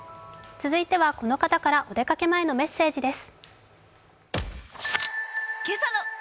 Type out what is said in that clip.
続いては、この方からお出かけ前のメッセージです。